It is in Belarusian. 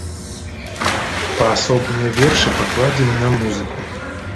Паасобныя вершы пакладзены на музыку.